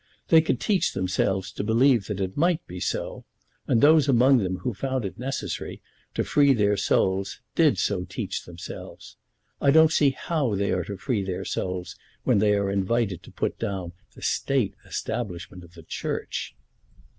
They could teach themselves to believe that it might be so, and those among them who found it necessary to free their souls did so teach themselves. I don't see how they are to free their souls when they are invited to put down the State establishment of the Church."